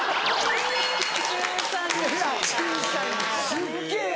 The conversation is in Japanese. すっげぇ